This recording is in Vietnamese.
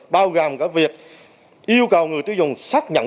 bao gồm cả việc yêu cầu người tiêu dùng xác nhận